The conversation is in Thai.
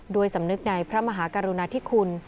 ด้วยสำนึกในพระมหาการุณาที่คุณ